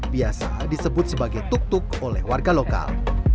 biasa disebut sebagai tuk tuk oleh warga lokal